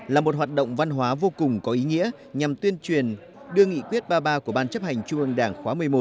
là một hoạt động văn hóa vô cùng có ý nghĩa nhằm tuyên truyền đưa nghị quyết ba mươi ba của ban chấp hành trung ương đảng khóa một mươi một